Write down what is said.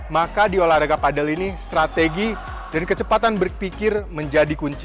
maka di olahraga padel ini strategi dan kecepatan berpikir menjadi kunci